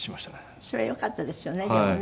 それはよかったですよねでもね。